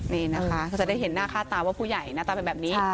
นี่นะคะก็จะได้เห็นหน้าค่าตาว่าผู้ใหญ่หน้าตาเป็นแบบนี้